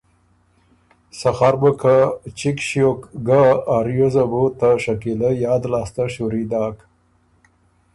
سخر بُو که چِګ ݭیوک ګه ا ریوزه بُو ته شکیله یاد لاسته شُوري داک۔